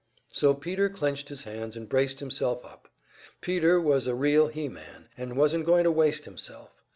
So Peter clenched his hands and braced himself up. Peter was a real "he man," and wasn't going to waste himself.